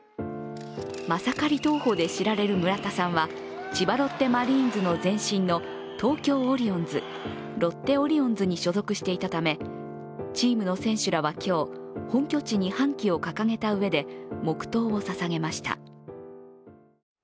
マサカリ投法で知られる村田さんは千葉ロッテマリーンズの前身の東京オリオンズ、ロッテオリオンズに所属していたため、チームの選手らは今日本拠地に半旗を掲げたうえで黙とうをささげました。